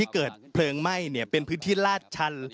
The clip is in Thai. เกิดเพลิงไหม้เป็นพื้นที่ลาดชัน